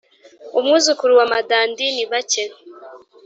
umwuzukuru wa madandi ni bake